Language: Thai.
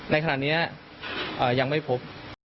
ในขณะนี้ยังไม่พบ